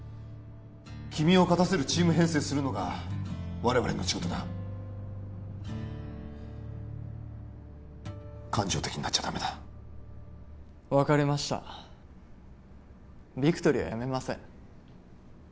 君を勝たせるチーム編成するのが我々の仕事だ感情的になっちゃダメだ分かりましたビクトリーはやめません